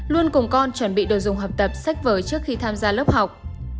luôn cùng con chuẩn bị đồ dùng học tập sách vở trước khi tham gia lớp học